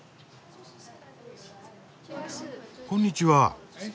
こんにちは。